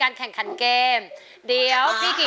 โทรหาคนรู้จัก